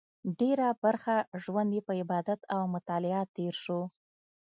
ډېره برخه ژوند یې په عبادت او مطالعه تېر شو.